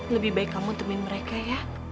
lebih baik kamu temenin mereka ya